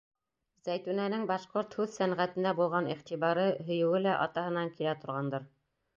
Зәйтүнәнең башҡорт һүҙ сәнғәтенә булған иғтибары, һөйөүе лә атаһынан килә торғандыр.